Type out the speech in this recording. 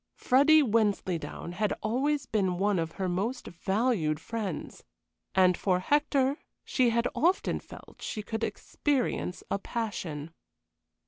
Freddy Wensleydown had always been one of her most valued friends, and for Hector she had often felt she could experience a passion.